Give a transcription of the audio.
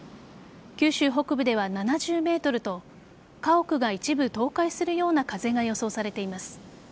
九州北部では７０メートルと家屋が一部倒壊するような風が予想されています。